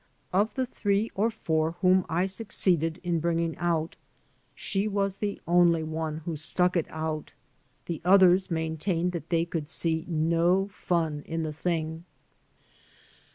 Of the three or four whom I succeeded Iq bringing out she was the only one who stuck it out; the others maintained that they could see no fun in the thing.